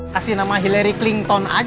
kasih nama hillary klington aja ce orang hebat